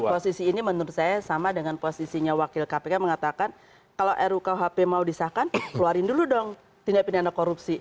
posisi ini menurut saya sama dengan posisinya wakil kpk mengatakan kalau rukuhp mau disahkan keluarin dulu dong tindak pindahan korupsi